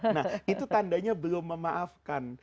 nah itu tandanya belum memaafkan